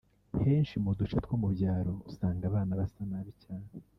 Henshi mu duce two mu byaro usanga abana basa nabi cyane